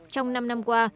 trong năm năm qua